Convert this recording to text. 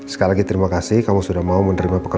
sekali lagi terima kasih kamu sudah mau menerima pekerjaan